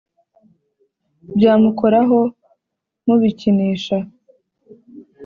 Byamukoraho mubikinisha!"